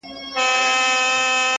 بخت په ټنډه دئ، نه په منډه.